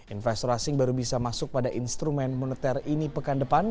investor asing baru bisa masuk pada instrumen moneter ini pekan depan